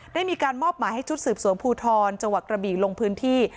ได้มีการมอบหมายให้ชุดสืบสวนภูทรจังหวัดกระบี่ลงพื้นที่